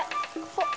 ほっ。